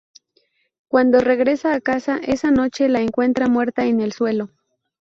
Cuando regresa a casa esa noche la encuentra muerta en el suelo.